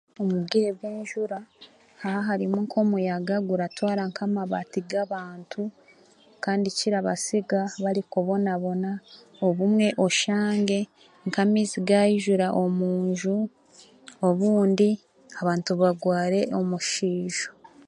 omu bwire bw'enjura haaharimu nk'omuyaga guratwara nk'amabaate g'abantu kandi kirabasiga barikubonabona obumwe oshange nk'amaizi gaijura omunju obundi abantu bagware omuswija